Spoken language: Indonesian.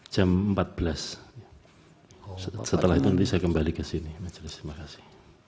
jam empat belas setelah itu nanti saya kembali ke sini